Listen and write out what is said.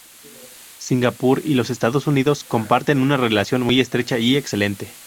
Singapur y los Estados Unidos comparten una relación muy estrecha y excelente.